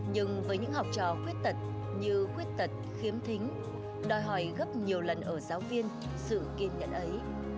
nhưng với những học trò khuyết tật như quyết tật khiếm thính đòi hỏi gấp nhiều lần ở giáo viên sự kiên nhẫn ấy